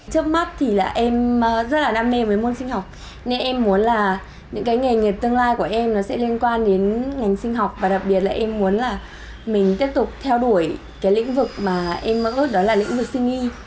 trước mắt thì là em rất là đam mê với môn sinh học nên em muốn là những cái nghề nghiệp tương lai của em nó sẽ liên quan đến ngành sinh học và đặc biệt là em muốn là mình tiếp tục theo đuổi cái lĩnh vực mà em mơ ước đó là lĩnh vực sinh nghi